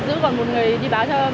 giờ cô gái lại chỉ biết